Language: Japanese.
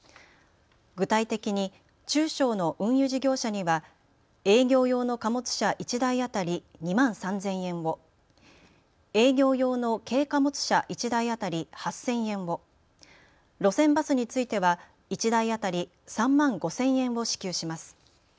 具体的に中小の運輸事業者には営業用の貨物車１台当たり２万３０００円を、営業用の軽貨物車、１台当たり８０００円を、路線バスについては１台当たり３万５０００円を支給します。